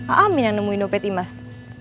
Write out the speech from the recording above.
aamiin yang nemuin dompet imaz